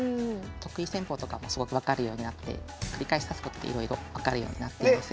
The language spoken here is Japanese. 得意戦法とかもすごく分かるようになって繰り返し指すことでいろいろ分かるようになっています。